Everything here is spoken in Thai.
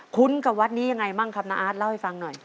ุ้นกับวัดนี้ยังไงบ้างครับน้าอาร์ตเล่าให้ฟังหน่อย